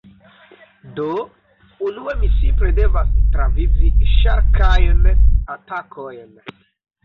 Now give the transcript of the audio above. Do, unue mi simple devas travivi ŝarkajn atakojn.